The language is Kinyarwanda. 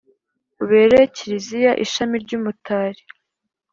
ubere kiliziya ishami ry’umutari